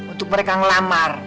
untuk mereka ngelamar